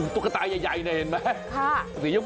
ตุ๊กตาใหญ่เนี่ยเห็นไหม